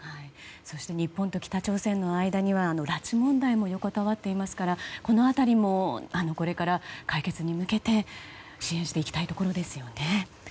そして日本と北朝鮮の間には、拉致問題も横たわっていますからこの辺りもこれから解決に向けて、支援していきたいところですよね。